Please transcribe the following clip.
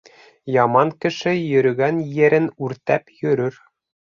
Яман кеше йөрөгән ерен үртәп йөрөр.